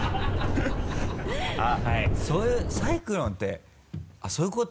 そういうサイクロンってあっそういうこと？